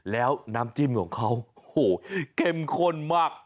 แล้วน้ำจิ้มของเขาโอ้โหเข้มข้นมาก